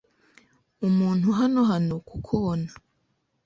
Umuntu hano hano kukubona.